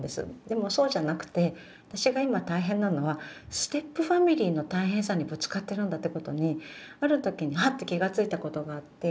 でもそうじゃなくて私が今大変なのはステップファミリーの大変さにぶつかってるんだってことにある時にハッて気が付いたことがあって。